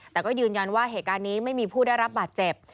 แต่ก็ยืนยันว่าเหตุการณ์นี้ไม่มีผู้ได้รับบาดเจ็บ